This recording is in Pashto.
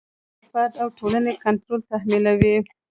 دوی پر فرد او ټولنه کنټرول تحمیلوي.